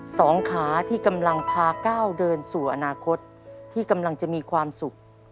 สองขาที่กำลังพาก้าวเดินสู่อนาคตที่กำลังจะมีความสุข